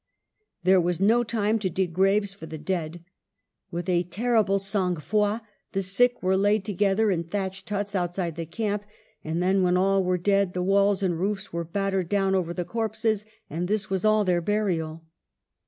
There was no time to dig graves for the dead. With a ter rible sang froid the sick were laid together in thatched huts outside the camp ; and then, when all were dead, the walls and roofs were battered down over the corpses, and this was all their burial.